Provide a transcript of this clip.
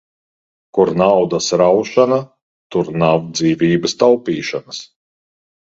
Kur naudas raušana, tur nav dzīvības taupīšanas.